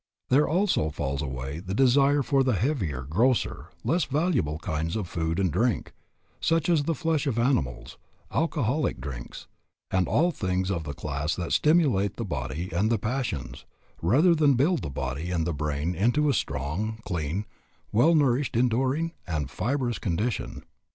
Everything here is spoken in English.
There also falls away the desire for the heavier, grosser, less valuable kinds of food and drink, such as the flesh of animals, alcoholic drinks, and all things of the class that stimulate the body and the passions rather than build the body and the brain into a strong, clean, well nourished, enduring, and fibrous condition.